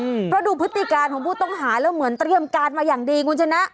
อืมเพราะดูพฤติการของผู้ต้องหาแล้วเหมือนเตรียมการมาอย่างดีคุณชนะ